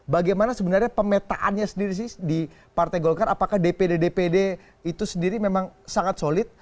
bagaimana sebenarnya pemetaannya sendiri sih di partai golkar apakah dpd dpd itu sendiri memang sangat solid